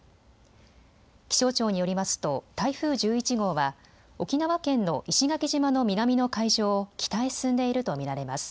気象庁によりますと台風１１号は沖縄県の石垣島の南の海上を北へ進んでいると見られます。